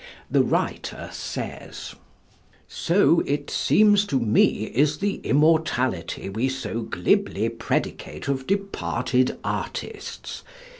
The writer says: "So, it seems to me, is the immortality we so glibly predicate of departed artists.